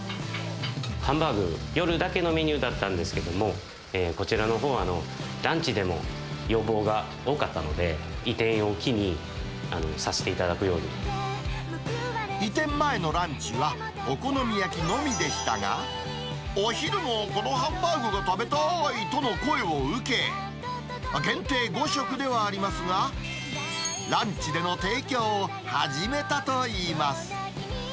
ハンバーグ、夜だけのメニューだったんですけども、こちらのほう、ランチでも要望が多かったので、移転を機に、させていただくよう移転前のランチは、お好み焼きのみでしたが、お昼もこのハンバーグが食べたいとの声を受け、限定５食ではありますが、ランチでの提供を始めたといいます。